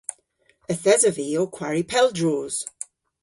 Yth esov vy ow kwari pel droos.